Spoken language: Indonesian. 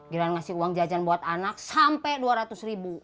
gilan ngasih uang jajan buat anak sampai dua ratus ribu